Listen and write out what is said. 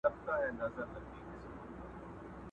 فاصله مو ده له مځکي تر تر اسمانه،